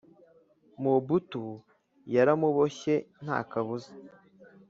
mobutu yaramuboshye nta kabuza